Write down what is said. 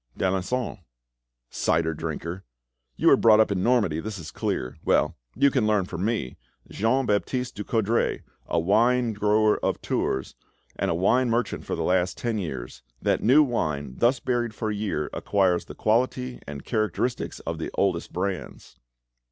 "D'Alencon." "Cider drinker! You were brought up in Normandy, that is clear. Well, you can learn from me, Jean Baptiste Ducoudray, a wine grower of Tours, and a wine merchant for the last ten years, that new wine thus buried for a year acquires the quality and characteristics of the oldest brands."